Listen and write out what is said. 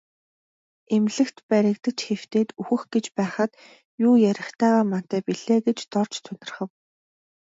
Эмнэлэгт баригдаж хэвтээд үхэх гэж байхад юу ярихтай мантай билээ гэж Дорж тунирхав.